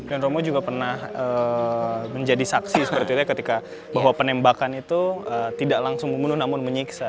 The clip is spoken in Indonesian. dan romo juga pernah menjadi saksi sepertinya ketika bahwa penembakan itu tidak langsung membunuh namun menyiksa